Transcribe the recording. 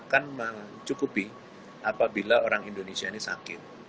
akan mencukupi apabila orang indonesia ini sakit